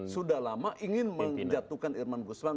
sudah lama ingin menjatuhkan irman gusman